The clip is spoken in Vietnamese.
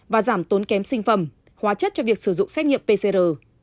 và giảm tốn kém sinh phẩm hóa chất cho việc sử dụng xét nghiệm pcr